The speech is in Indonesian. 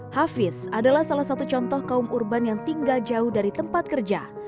hafiz adalah salah satu contoh kaum urban yang tinggal jauh dari tempat kerja